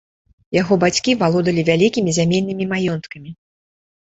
Яго бацькі валодалі вялікімі зямельнымі маёнткамі.